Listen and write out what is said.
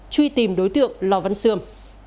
truy tìm đối tượng lò văn xương